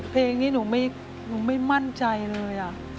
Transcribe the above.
เพลงนี้หนูไม่มั่นใจเลย